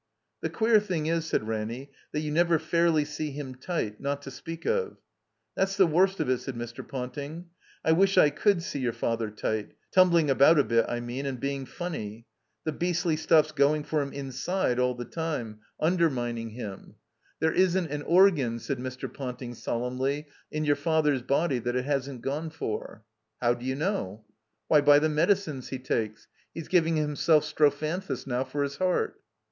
"The queer thing is," said Ranny, "that you never fairly see him tight. Not to speak of." "That's the worst of it," said Mr. Ponting. "I wish I could see your father tight — tumbling about a bit, I mean, and being fimny. The beastly stuff's going for him inside, all the time — tmdermining him. 297 THE COMBINED MAZE There isn't an organ/* said Mr. Ponting, solemnly, in your father's body that it hasn't gone for." "How d'you know?" '*Why, by the medicines he takes. He's giving himself strophanthus now, for his heart."